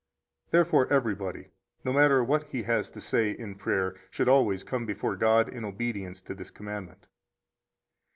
Therefore everybody, no matter what he has to say in prayer, should always come before God in obedience to this commandment.